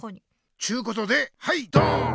ちゅうことではいドーン！